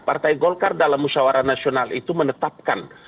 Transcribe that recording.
partai golkar dalam musyawara nasional itu menetapkan